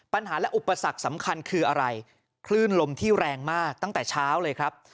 ปัญหาและอุปสรรคสำคัญคืออะไรคลื่นลมที่แรงมากตั้งแต่เช้าเลยครับ